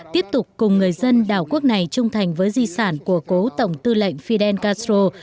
tiếp tục cùng người dân đảo quốc này trung thành với di sản của cố tổng tư lệnh fidel castro